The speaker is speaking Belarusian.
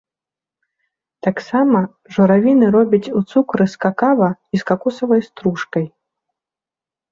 Таксама журавіны робяць у цукры з какава і з какосавай стружкай.